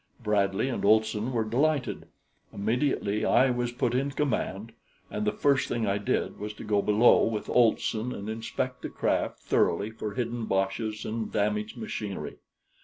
Bradley and Olson were delighted. Immediately I was put in command, and the first thing I did was to go below with Olson and inspect the craft thoroughly for hidden boches and damaged machinery.